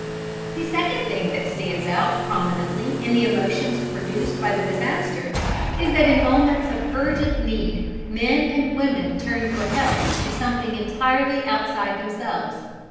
The second thing that stands out prominently in the emotions produced by the disaster is that in moments of urgent need men and women turn for help to something entirely outside themselves.